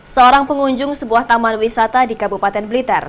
seorang pengunjung sebuah taman wisata di kabupaten blitar